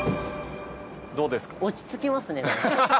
どうですか？